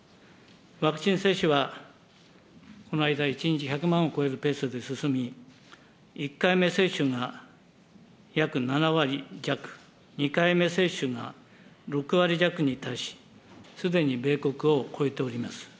ワクチン接種は、この間、１日１００万を超えるペースで進み、１回目接種が約７割弱、２回目接種が６割弱に達し、すでに米国を超えております。